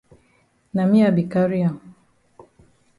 Na me I be carry am.